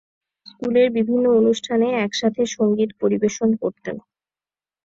তার স্কুলের বিভিন্ন অনুষ্ঠানে একসাথে সঙ্গীত পরিবেশন করতেন।